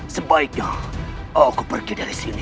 sebaiknya oh aku pergi dari sini